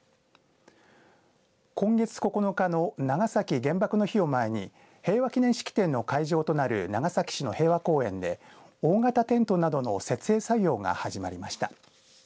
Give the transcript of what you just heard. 今月９日の長崎原爆の日を前に平和祈念式典の会場となる長崎市の平和公園で大型テントなどの設営作業が始まりました。